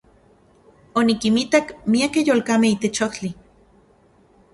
Onikinmitak miakej yolkamej itech ojtli.